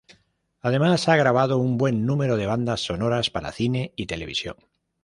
Además ha grabado un buen número de bandas sonoras para cine y televisión.